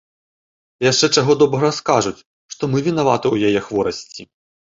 Яшчэ, чаго добрага, скажуць, што мы вінаваты ў яе хворасці.